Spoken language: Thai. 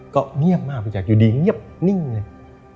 ก็เงียบมากไปจากอยู่ดีเงียบนิ่งไง